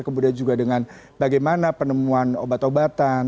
kemudian juga dengan bagaimana penemuan obat obatan